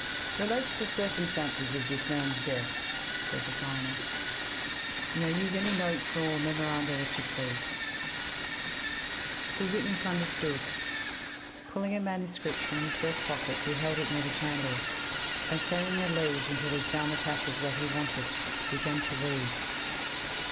"Relate the circumstances of this man's death," said the coroner. "You may use any notes or memoranda that you please." The witness understood. Pulling a manuscript from his breast pocket he held it near the candle, and turning the leaves until he found the passage that he wanted, began to read.